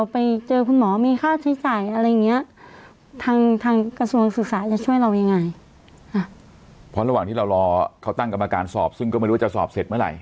เพราะระหว่างที่เรารอเขาตั้งกรรมการสอบซึ่งก็ไม่รู้ว่าจะสอบเสร็จเมื่อไห